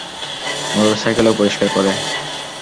মোটরসাইকেলও পরিষ্কার করে।